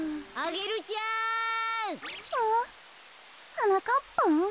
はなかっぱん？